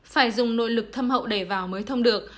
phải dùng nội lực thâm hậu để vào mới thông được